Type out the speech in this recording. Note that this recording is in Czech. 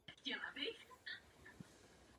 Dodnes však zůstává symbolem Lhasy a celého Tibetu.